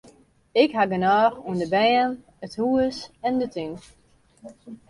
Ik haw genôch oan de bern, it hûs en de tún.